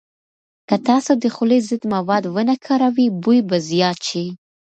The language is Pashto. که تاسو د خولې ضد مواد ونه کاروئ، بوی به زیات شي.